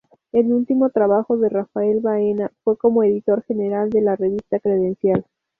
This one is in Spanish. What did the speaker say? El último trabajo de Rafael Baena fue como editor general de la revista Credencial.